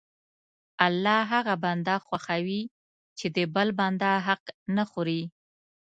الله هغه بنده خوښوي چې د بل بنده حق نه خوري.